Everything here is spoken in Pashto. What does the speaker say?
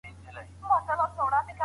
ایا افغان سوداګر پسته صادروي؟